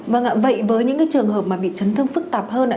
vâng ạ vậy với những trường hợp mà bị chấn thương phức tạp hơn ạ